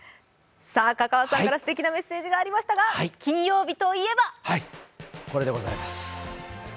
香川さんからすてきなメッセージがありましたが、金曜日といえばこれでございます。